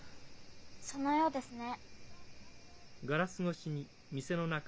そのようですね。